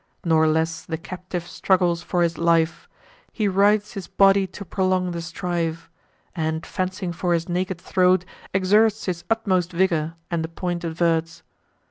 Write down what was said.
Nor less the captive struggles for his life: He writhes his body to prolong the strife, And, fencing for his naked throat, exerts His utmost vigour, and the point averts.